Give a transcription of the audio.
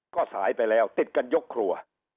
ก็สายไปแล้วติดกันยกครัว